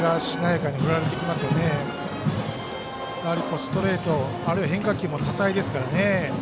やはりストレートあるいは変化球も多彩ですからね。